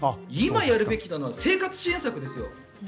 今やるべきなのは生活支援策ですよ。